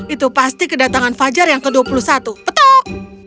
itu pasti kedatangan fajar yang ke dua puluh satu petok